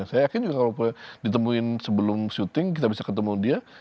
saya yakin juga kalau ditemuin sebelum syuting kita bisa ketemu dia